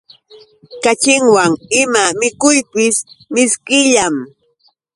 Kaćhiwan ima mikuypis mishkillam.